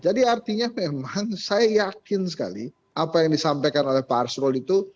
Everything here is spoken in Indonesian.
jadi artinya memang saya yakin sekali apa yang disampaikan oleh pak arsul itu